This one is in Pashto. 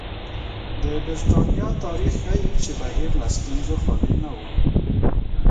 د برېټانیا تاریخ ښيي چې بهیر له ستونزو خالي نه و.